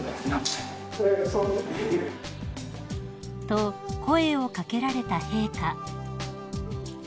［と声を掛けられた陛下］